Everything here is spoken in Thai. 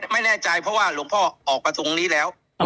ไม่แน่ใจเพราะว่าหลวงพ่อออกประทงนี้แล้ว